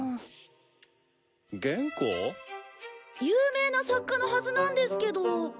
有名な作家のはずなんですけど。